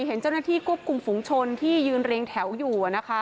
เห็นเจ้าหน้าที่ควบคุมฝุงชนที่ยืนเรียงแถวอยู่